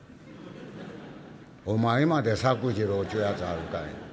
「お前まで作治郎ちゅうやつあるかい」。